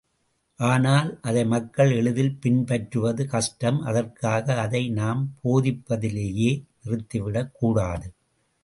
ஆனால், அதை மக்கள் எளிதில் பின்பற்றுவது கஷ்டம் அதற்காக அதை நாம் போதிப்பதிலேயே நிறுத்திவிடக்கூடாது.